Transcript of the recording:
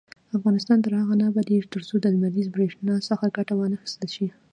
افغانستان تر هغو نه ابادیږي، ترڅو د لمریزې بریښنا څخه ګټه وانخیستل شي.